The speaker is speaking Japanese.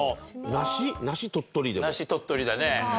梨鳥取だね。